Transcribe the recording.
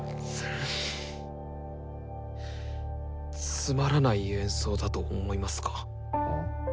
つまらない演奏だと思いますか？